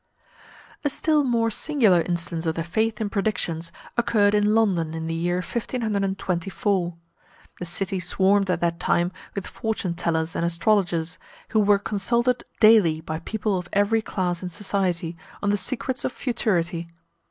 A still more singular instance of the faith in predictions occurred in London in the year 1524. The city swarmed at that time with fortune tellers and astrologers, who were consulted daily by people of every class in society on the secrets of futurity.